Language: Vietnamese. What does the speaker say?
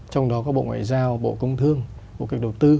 trong đó có bộ ngoại giao bộ công thương bộ kinh tế đầu tư